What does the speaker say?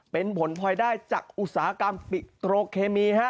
เป็นผลพลอยได้จากอุตสาหกรรมปิโตรเคมีฮะ